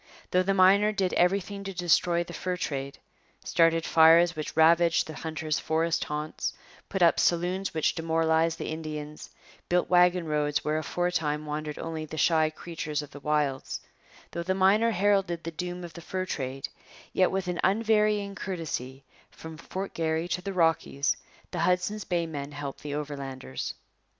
Though the miner did everything to destroy the fur trade started fires which ravaged the hunter's forest haunts, put up saloons which demoralized the Indians, built wagon roads where aforetime wandered only the shy creatures of the wilds though the miner heralded the doom of the fur trade yet with an unvarying courtesy, from Fort Garry to the Rockies, the Hudson's Bay men helped the Overlanders.